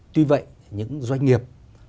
tuy vậy những doanh nghiệp